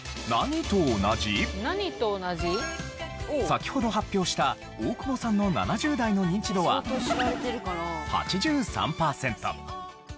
先ほど発表した大久保さんの７０代のニンチドは８３パーセント。